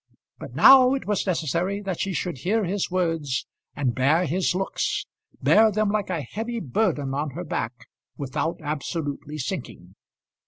But now it was necessary that she should hear his words and bear his looks, bear them like a heavy burden on her back without absolutely sinking.